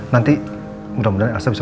nanti mudah mudahan rasa bisa